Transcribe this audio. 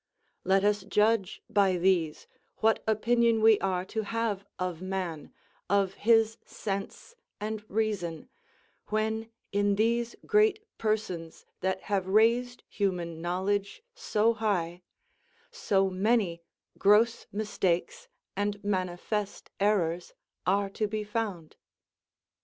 Let us judge by these what opinion we are to have of man, of his sense and reason, when in these great persons that have raised human knowledge so high, so many gross mistakes and manifest errors are to be found.